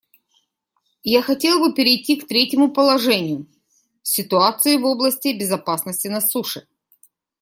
Я хотел бы перейти к третьему положению — ситуации в области безопасности на суше.